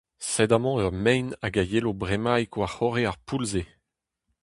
Sed amañ ur maen hag a yelo bremaik war-c'horre ar poull-se.